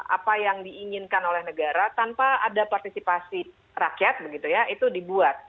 apa yang diinginkan oleh negara tanpa ada partisipasi rakyat begitu ya itu dibuat